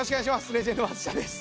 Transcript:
レジェンド松下です